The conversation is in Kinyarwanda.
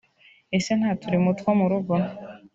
Ese nta turimo two mu rugo